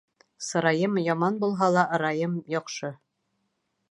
Сырайым яман булһа ла, ырайым яҡшы.